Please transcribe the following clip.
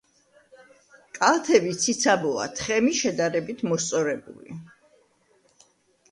კალთები ციცაბოა, თხემი შედარებით მოსწორებული.